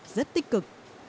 rất tích cực